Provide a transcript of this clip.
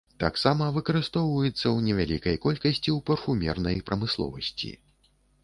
Таксама выкарыстоўваецца ў невялікай колькасці ў парфумернай прамысловасці.